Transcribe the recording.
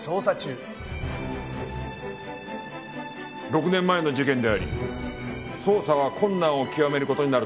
６年前の事件であり捜査は困難を極める事になると思う。